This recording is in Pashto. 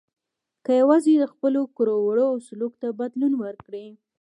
که یوازې خپلو کړو وړو او سلوک ته بدلون ورکړي.